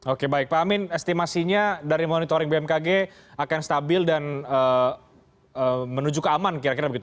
oke baik pak amin estimasinya dari monitoring bmkg akan stabil dan menuju ke aman kira kira begitu